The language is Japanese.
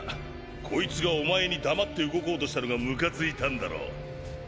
こいつがお前に黙って動こうとしたのがムカついたんだろ！